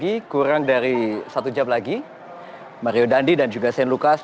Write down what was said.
terima kasih maggi kurang dari satu jam lagi mario dandi dan juga sen lukas